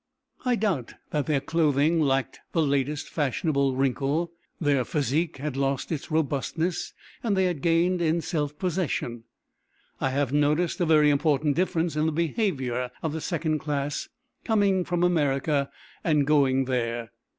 I doubt that their clothing lacked the latest fashionable wrinkle; their physique had lost its robustness and they had gained in self possession. I have noticed a very important difference in the behaviour of the second class coming from America and going there.